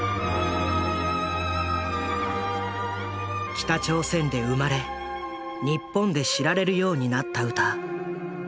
北朝鮮で生まれ日本で知られるようになった歌「イムジン河」。